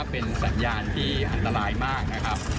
เป็นบริษัทนั้นที่คิดดีไหมครับ